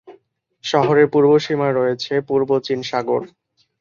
শহরের পূর্বসীমায় রয়েছে পূর্ব চীন সাগর।